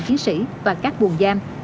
chiến sĩ và các buồng giam